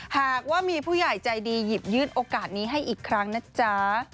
หากว่ามีผู้ใหญ่ใจดีหยิบยื่นโอกาสนี้ให้อีกครั้งนะจ๊ะ